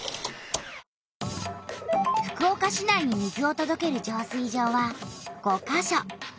福岡市内に水をとどける浄水場は５か所。